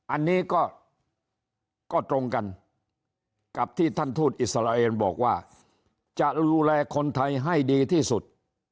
อันนี้ก็ตรงกันกับที่ท่านทูตอิสราเอลบอกว่าจะดูแลคนไทยให้ดีที่สุด